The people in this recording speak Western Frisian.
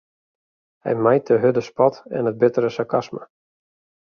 Hy mijt de hurde spot en it bittere sarkasme.